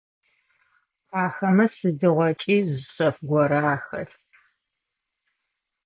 Ахэмэ сыдигъокӏи зы шъэф горэ ахэлъ.